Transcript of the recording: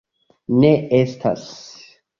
Ne estas.